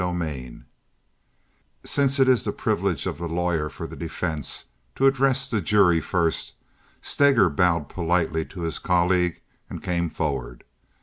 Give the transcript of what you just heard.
Chapter XLIII Since it is the privilege of the lawyer for the defense to address the jury first, Steger bowed politely to his colleague and came forward.